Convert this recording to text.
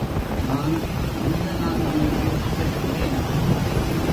நான் மனிதனாக நின்று கேட்கிறேன்.